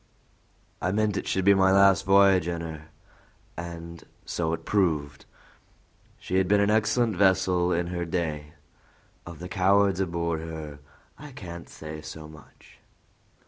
I meant it should be my last v'y'ge in her, and so it proved. She had been an excellent vessel in her day. Of the cowards aboard her I can't say so much."